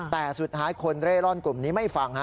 แต่สุดท้ายคนเร่ร่อนกลุ่มนี้ไม่ฟัง